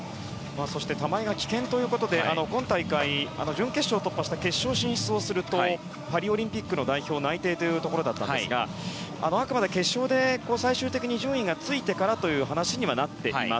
そして玉井が棄権ということで今大会準決勝を突破して決勝進出をするとパリオリンピックの代表内定というところだったんですがあくまで決勝で最終的に順位がついてからという話にはなっています。